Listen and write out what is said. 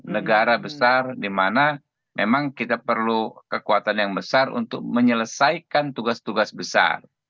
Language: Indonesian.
negara besar di mana memang kita perlu kekuatan yang besar untuk menyelesaikan tugas tugas besar